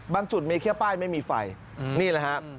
บางจุดไม่เครียดป้ายไม่มีไฟนี่แหละฮะ